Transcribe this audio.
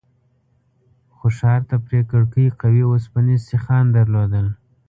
خو ښار ته پرې کړکۍ قوي اوسپنيز سيخان درلودل.